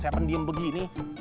saya pendiem begini